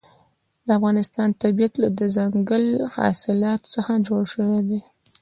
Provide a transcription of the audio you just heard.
د افغانستان طبیعت له دځنګل حاصلات څخه جوړ شوی دی.